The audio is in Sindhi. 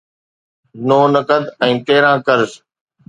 نو نقد ۽ تيرهن قرض